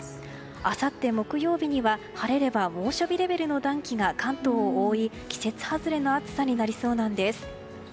あさって木曜日には晴れれば猛暑日レベルの暖気が関東を覆い、季節外れの暑さになりそうなんです。